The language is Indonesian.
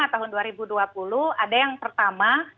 tahun dua ribu dua puluh ada yang pertama